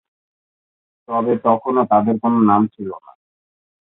তবে তখনো তাদের কোন নাম ছিল না।